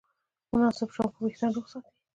مناسب شامپو وېښتيان روغ ساتي.